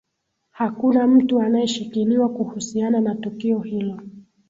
hakuna mtu anayeshikiliwa kuhusiana na tukio hilo